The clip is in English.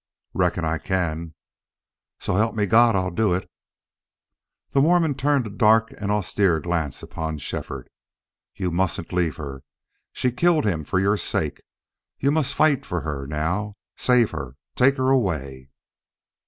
"Reckon I can." "So help me God I'll do it!" The Mormon turned a dark and austere glance upon Shefford. "You mustn't leave her. She killed him for your sake.... You must fight for her now save her take her away."